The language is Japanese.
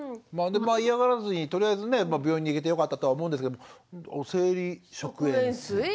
まあでも嫌がらずにとりあえずね病院に行けてよかったとは思うんですけど生理食塩水？